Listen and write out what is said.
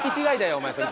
お前それ